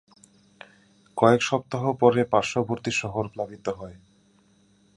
কয়েক সপ্তাহ পরে পার্শ্ববর্তী শহর প্লাবিত হয়।